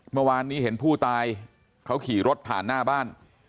เมื่อวานนี้เห็นผู้ตายเขาขี่รถผ่านหน้าบ้าน